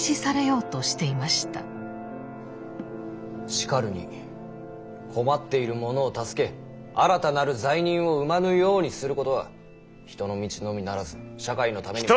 しかるに困っている者を助け新たなる罪人を生まぬようにすることは人の道のみならず社会のためにも。